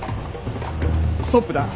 ストップだ。